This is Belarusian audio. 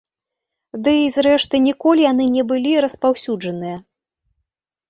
Дый, зрэшты, ніколі яны не былі распаўсюджаныя.